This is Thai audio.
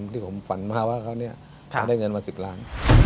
ที่ผมฝันมาว่าเขาได้เงินมา๑๐ล้าน